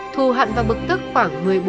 thù hận và bức tức khoảng một mươi bốn h